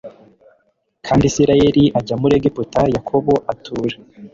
kandi isirayeli ajya muri egiputa yakobo atura